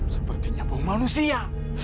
sepertinya bau manusia